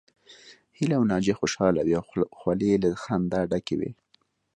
هيله او ناجيه خوشحاله وې او خولې يې له خندا ډکې وې